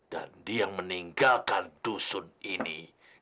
dan dia meninggalkan dusun ini